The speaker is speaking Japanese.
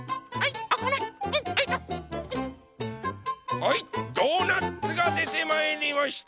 はいドーナツがでてまいりました！